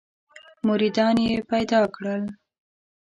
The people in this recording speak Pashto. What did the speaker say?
مریدان یې پیدا کړل.